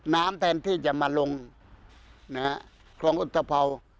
น้ำแทนที่จะมาลงคลองอุตภัวร์